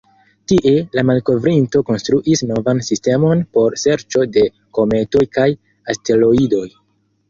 Tie, la malkovrinto konstruis novan sistemon por serĉo de kometoj kaj asteroidoj.